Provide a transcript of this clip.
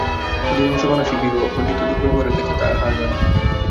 অধিকাংশ মানুষই ভীরু, অকুণ্ঠিত দুর্ব্যবহারের কাছে তারা হার মানে।